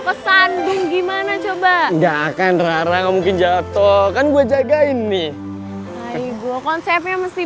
kandung gimana coba nggak akan rarang mungkin jatuh kan gue jagain nih aibu konsepnya mesti